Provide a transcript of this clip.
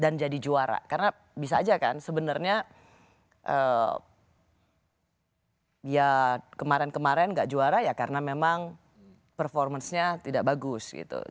dan jadi juara karena bisa aja kan sebenarnya ya kemarin kemarin gak juara ya karena memang performance nya tidak bagus gitu